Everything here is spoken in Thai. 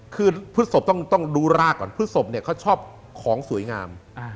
คือพฤศพต้องดูราก่อนพฤศพเขาชอบของสวยงาม